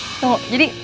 you dalam kurang bodies